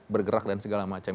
bergerak dan segala macam